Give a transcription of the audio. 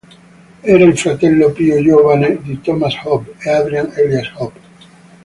Era il fratello più giovane di Thomas Hope e Adrian Elias Hope.